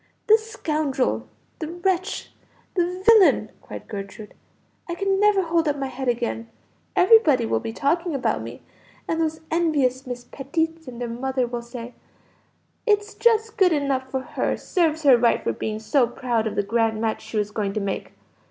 "The scoundrel! the wretch! the villain!" cried Gertrude. "I can never hold up my head again; everybody will be talking about me, and those envious Miss Petitts and their mother will say, 'It's just good enough for her; serves her right for being so proud of the grand match she was going to make.'